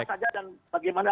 siapa saja dan bagaimana